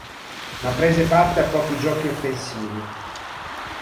Ma prese parte a pochi giochi offensivi.